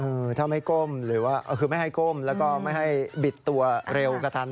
หรือถ้าไม่ให้ก้มหรือไม่ให้ก้มและไม่ให้บิดตัวเร็วกระทัน